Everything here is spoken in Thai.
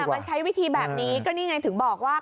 มาใช้วิธีแบบนี้ก็นี่ไงถึงบอกว่า